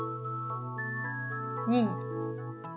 ２。